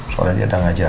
soalnya dia udah ngajar